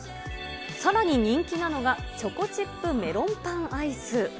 さらに人気なのが、チョコチップメロンパンアイス。